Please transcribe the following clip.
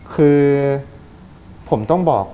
คือผมต้องบอก